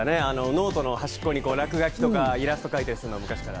ノートの端っこに落書きとか、イラストを描いたりするのが。